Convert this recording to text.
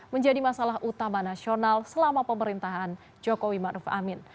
menjadi masalah utama nasional selama pemerintahan jokowi ma'ruf amin